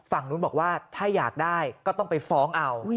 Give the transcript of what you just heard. ฝั่งนู้นบอกว่าถ้าอยากได้ก็ต้องไปฟ้องเอา